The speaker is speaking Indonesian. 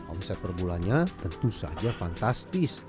omset perbulannya tentu saja fantastis